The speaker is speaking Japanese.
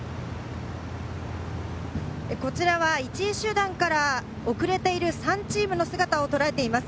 こちらは１位集団から遅れている３チームの姿を捉えています。